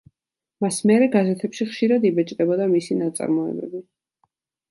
მას მერე გაზეთებში ხშირად იბეჭდებოდა მისი ნაწარმოებები.